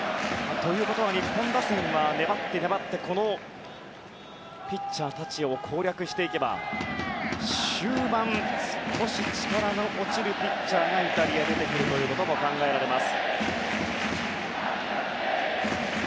日本打線は粘って粘ってこのピッチャーたちを攻略していけば終盤、少し力の落ちるピッチャーがイタリアは出てくるということが考えられます。